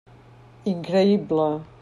Increïble.